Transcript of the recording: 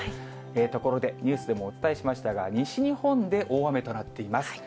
ところでニュースでもお伝えしましたが、西日本で大雨となっています。